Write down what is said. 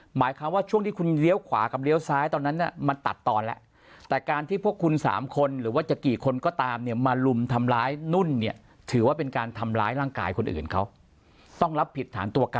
หมายความว่าช่วงที่คุณเลี้ยวขวากับเลี้ยวซ้ายตอนนั้นมันตัดตอนแล้ว